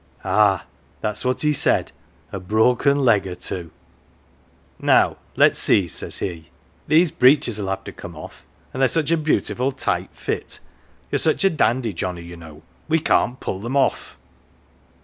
1 (Ah, that's what he said ' a broken leg or two !")' Now, let's see, 1 says he, ' these breeches 187 ON THE OTHER SIDE 11 have to come off, and they're such a beautiful tight fit you are such a dandy, Johnnie, you know we cant pull them off."